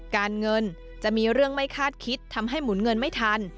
การเงินจะมีเรื่องไม่คาดคิดทำให้หมุนเงินไม่ทัน